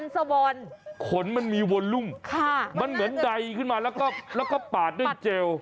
สวอนขนมันมีวนลุ่มมันเหมือนใดขึ้นมาแล้วก็ปาดด้วยเจล